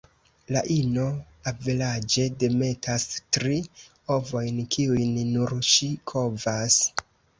La ino averaĝe demetas tri ovojn, kiujn nur ŝi kovas.